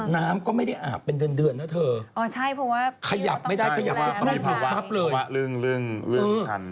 นางก็ไม่ได้อาบเป็นเดือนนะเธอขยับไม่ได้ขยับเครื่องปรับ